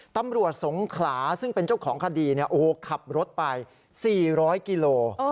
ตำรวจสงขลาซึ่งเป็นเจ้าของคดีขับรถไป๔๐๐กิโล